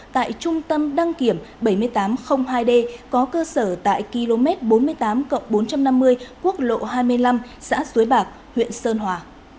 tại trung tâm đăng kiểm bảy nghìn tám trăm linh hai d có cơ sở tại km bốn mươi tám bốn trăm năm mươi quốc lộ hai mươi năm xã suối bạc huyện sơn hòa